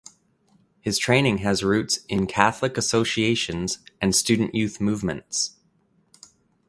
His training has roots in Catholic Associations and student youth movements.